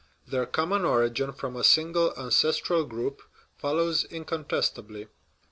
Their common origin from a single ancestral group follows incontestably.